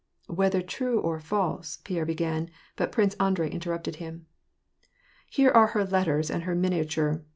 " Whether true or false "— Pierre began, but Prince Andrei interrupted him. "Here are her letters and her miniature.''